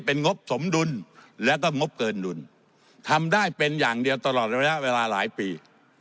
เป็นงบสมดุลแล้วก็งบเกินดุลทำได้เป็นอย่างเดียวตลอดระยะเวลาหลายปี